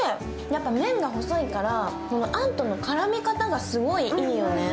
麺が細いからあんとの絡み方がすごいいいよね。